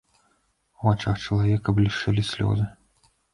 У вачах чалавека блішчэлі слёзы.